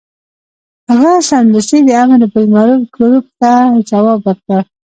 هغه سمدستي د امر بالمعروف ګروپ ته ځواب ورکړ.